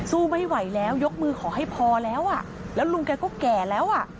สู้ไม่ไหวแล้วยกมือขอให้พอแล้วอ่ะแล้วลุงแกก็แก่แล้วอ่ะ